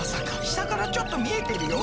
下からちょっと見えてるよ。